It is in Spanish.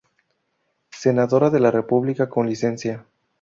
Senadora de la República con licencia.